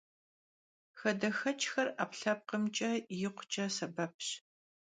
Xadexeç'xer 'epkhlhepkhımç'e yikhuç'e sebepş.